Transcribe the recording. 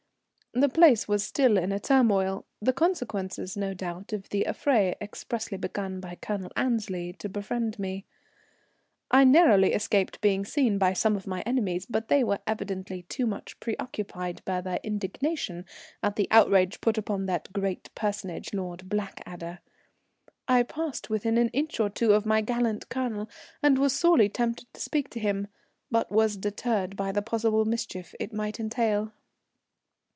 The place was still in a turmoil, the consequences no doubt of the affray expressly begun by Colonel Annesley to befriend me. I narrowly escaped being seen by some of my enemies, but they were evidently too much preoccupied by their indignation at the outrage put upon that great personage, Lord Blackadder. I passed within an inch or two of my gallant Colonel and was sorely tempted to speak to him, but was deterred by the possible mischief it might entail.